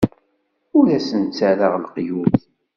Ur asen-ttarraɣ leqyud.